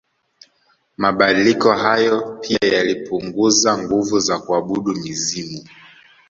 Mabadiliko hayo pia yalipunguza nguvu ya kuabudu mizimu